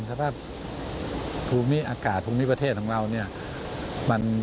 สภาพภูมิอากาศภูมิประเทศของเราเนี่ย